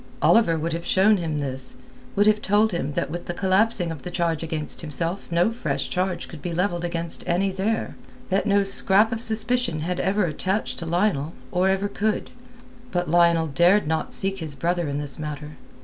Oliver would have shown him this, would have told him that with the collapsing of the charge against himself no fresh charge could be levelled against any there, that no scrap of suspicion had ever attached to Lionel, or ever could. But Lionel dared not seek his brother in this matter.